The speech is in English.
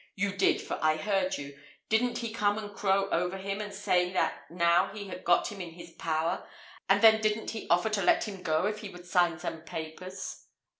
you did, for I heard you didn't he come and crow over him, and say that now he had got him in his power? And then didn't he offer to let him go if he would sign some papers?